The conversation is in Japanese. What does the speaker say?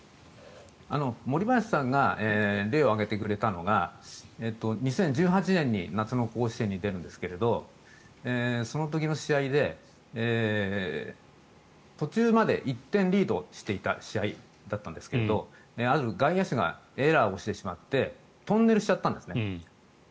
森林さんが例を挙げてくれたのが２０１８年に夏の甲子園に出るんですがその時の試合で途中まで１点リードしていた試合だったんですけどある外野手がエラーをしてしまってトンネルしたんですね。